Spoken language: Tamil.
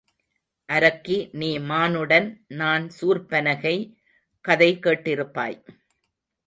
அரக்கி நீ மானுடன் நான் சூர்ப்பனகை கதை கேட் டிருப்பாய்?